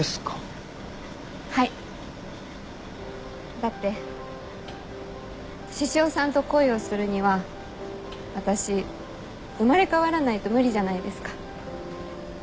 だって獅子王さんと恋をするには私生まれ変わらないと無理じゃないですか。